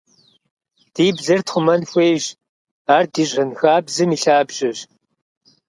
Ди бзэр тхъумэн хуейщ, ар ди щэнхабзэм и лъабжьэщ.